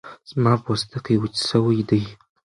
زما پوستکی وچ شوی دی